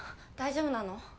大丈夫なの？